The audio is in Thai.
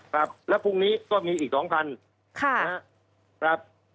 และพรุ่งนี้ก็มีอีก๒๐๐๐ครับ